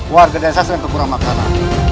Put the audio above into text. warga desa sering kekurang makanan